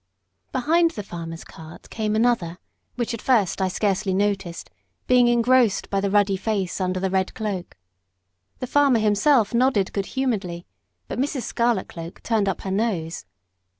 Behind the farmer's cart came another, which at first I scarcely noticed, being engrossed by the ruddy face under the red cloak. The farmer himself nodded good humouredly, but Mrs. Scarlet cloak turned up her nose.